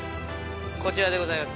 こちらでございます。